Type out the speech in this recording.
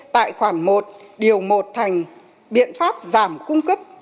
tại khoản một điều một thành biện pháp giảm cung cấp